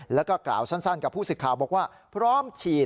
แล้วก็กล่าวสั้นกับผู้สิทธิ์ข่าวบอกว่าพร้อมฉีด